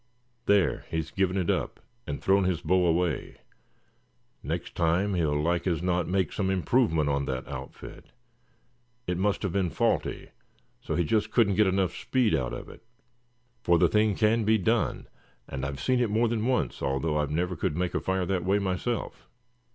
"There, he's given it up and thrown his bow away. Next time he'll like as not make some improvement on that outfit. It must have been faulty, so he just couldn't get enough speed out of it. For the thing can be done; and I've seen it more than once, though I never could make fire that way myself."